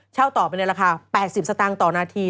ต่อไปในราคา๘๐สตางค์ต่อนาที